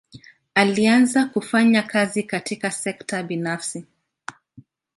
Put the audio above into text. Alianza kufanya kazi katika sekta binafsi.